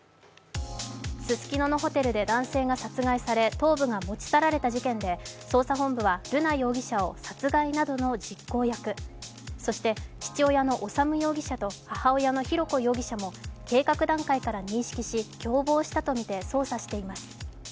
ススキノのホテルで男性が殺害され頭部が持ち去られた事件で、捜査本部は瑠奈容疑者を殺害などの実行役そして父親の修容疑者と母親の浩子容疑者も計画段階から認識し、共謀したとみて捜査しています。